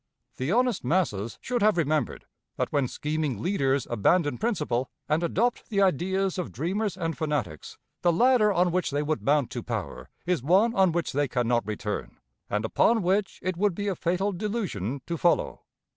The honest masses should have remembered that when scheming leaders abandon principle, and adopt the ideas of dreamers and fanatics, the ladder on which they would mount to power is one on which they can not return, and upon which it would be a fatal delusion to follow.